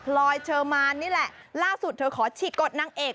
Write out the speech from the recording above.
ลอยเชอร์มานนี่แหละล่าสุดเธอขอฉีกกฎนางเอก